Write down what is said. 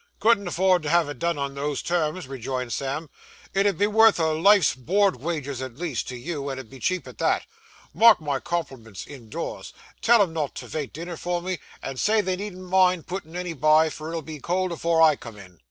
'Couldn't afford to have it done on those terms,' rejoined Sam. 'It 'ud be worth a life's board wages at least, to you, and 'ud be cheap at that. Make my compliments indoors. Tell 'em not to vait dinner for me, and say they needn't mind puttin' any by, for it'll be cold afore I come in.